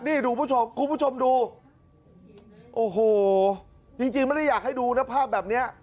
นี่คุณผู้ชมคุณผู้ชมดูโอ้โหจริงไม่ได้อยากให้ดูนะภาพแบบเนี้ย